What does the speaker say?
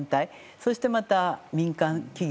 そしてまた、民間企業